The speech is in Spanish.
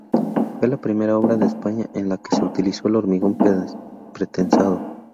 Fue la primera obra de España en la que se utilizó el hormigón pretensado.